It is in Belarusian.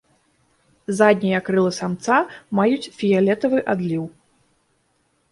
Заднія крылы самца маюць фіялетавы адліў.